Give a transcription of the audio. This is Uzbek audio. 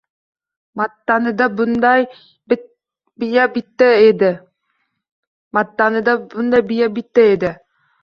Mattanida bunday biya bitta edi